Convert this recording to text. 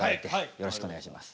よろしくお願いします。